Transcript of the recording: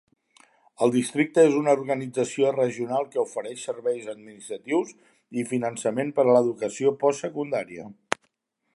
El districte és una organització regional que ofereix serveis administratius i finançament per a l'educació postsecundària.